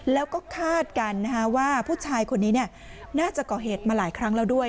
แล้วก็คาดกันว่าผู้ชายคนนี้น่าจะก่อเหตุมาหลายครั้งแล้วด้วย